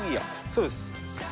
そうです。